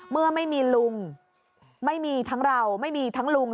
เมื่อไม่มีลุงไม่มีทั้งเราไม่มีทั้งลุง